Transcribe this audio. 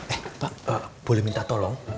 eh pak boleh minta tolong